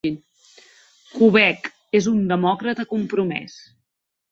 Kubek és un demòcrata compromès.